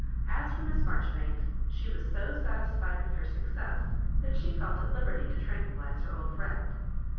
As for Miss Marjoribanks, she was so satisfied with her success that she felt at liberty to tranquiUise her old friend.